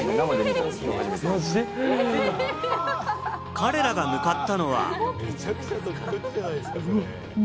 彼らが向かったのは。